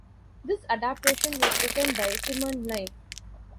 This adaptation was written by Simon Nye.